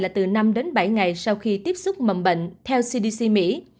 là từ năm đến bảy ngày sau khi tiếp xúc mầm bệnh theo cdc mỹ